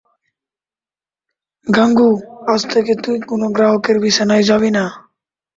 গাঙু, আজ থেকে তুই কোনো গ্রাহকের বিছানায় যাবি না।